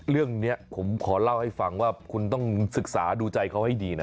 เรื่องนี้ผมขอเล่าให้ฟังว่าคุณต้องศึกษาดูใจเขาให้ดีนะ